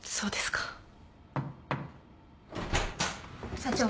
・社長。